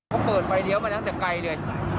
เขาเปิดไฟเลี้ยวมาตั้งแต่ไกลเลย